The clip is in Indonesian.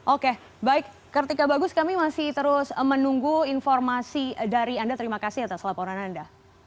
oke baik kartika bagus kami masih terus menunggu informasi dari anda terima kasih atas laporan anda